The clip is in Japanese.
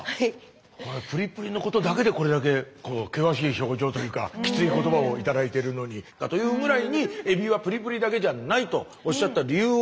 プリプリのことだけでこれだけ険しい表情というかきつい言葉を頂いてるのにというぐらいにとおっしゃった理由を。